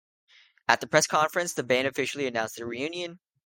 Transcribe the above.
At the press conference the band officially announced their reunion.